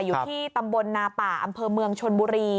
อยู่ที่ตำบลนาป่าอำเภอเมืองชนบุรี